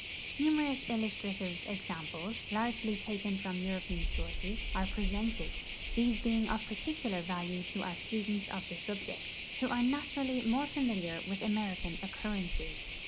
Numerous illusti'ative ex amples, largely taken from European sources, are presented ; these being of particular value to our students of the subject, who are naturally more familiar with American occurrences.